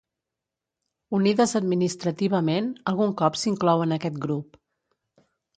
Unides administrativament, algun cop s'inclou en aquest grup.